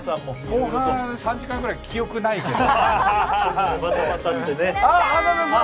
後半３時間ぐらい、記憶ないけど。